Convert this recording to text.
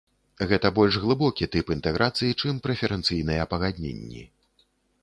Гэта больш глыбокі тып інтэграцыі, чым прэферэнцыйныя пагадненні.